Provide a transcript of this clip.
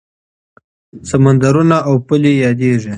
سمندرونه او پولې یادېږي.